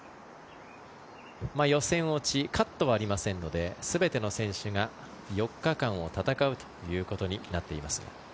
予選落ちカットはありませんので全ての選手が４日間を戦うということになっています。